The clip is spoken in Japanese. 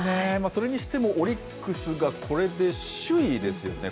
それにしてもオリックスがこれで首位ですよね。